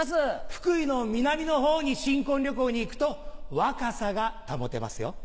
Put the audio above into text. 福井の南のほうに新婚旅行に行くとワカサが保てますよ。